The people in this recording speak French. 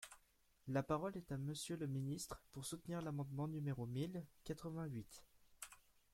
La parole est à Monsieur le ministre, pour soutenir l’amendement numéro mille quatre-vingt-huit.